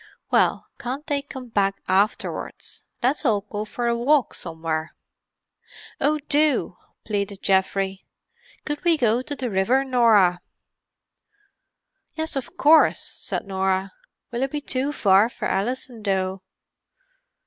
"Well, can't they come back afterwards? Let's all go for a walk somewhere." "Oh, do!" pleaded Geoffrey. "Could we go to the river, Norah?" "Yes, of course," said Norah. "Will it be too far for Alison, though?"